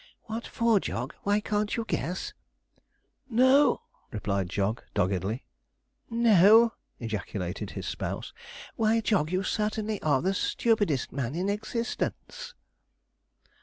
'What for, Jog? Why, can't you guess?' 'No,' replied Jog doggedly. 'No!' ejaculated his spouse. 'Why, Jog, you certainly are the stupidest man in existence.'